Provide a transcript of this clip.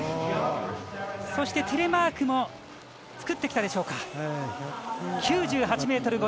そして、テレマークも作ってきたでしょうか。